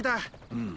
うん。